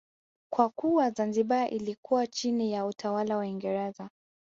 Kwa kuwa Zanzibar ilikuwa chini ya utawala wa Uingereza